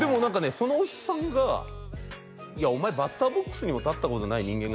そのおっさんが「いやお前バッターボックスにも立ったことない人間が」